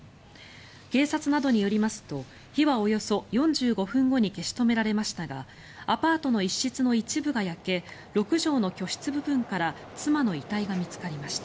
警察などによりますと火はおよそ４５分後に消し止められましたがアパートの一室の一部が焼け６畳の居室部分から妻の遺体が見つかりました。